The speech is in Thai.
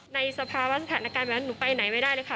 สภาวะสถานการณ์แบบนั้นหนูไปไหนไม่ได้เลยค่ะ